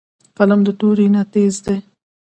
قلم د تورې نه تېز دی